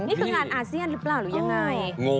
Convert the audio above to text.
นี่คืองานอาเซียนหรือเปล่าหรือยังไง